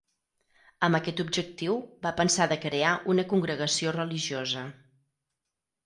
Amb aquest objectiu va pensar de crear una congregació religiosa.